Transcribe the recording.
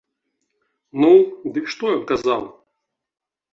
Ну, дык што ён казаў?